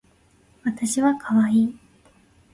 わたしはかわいい